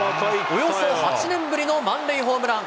およそ８年ぶりの満塁ホームラン。